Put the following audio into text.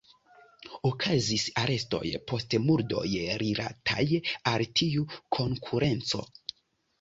Okazis arestoj post murdoj rilataj al tiu konkurenco.